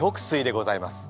翠でございます。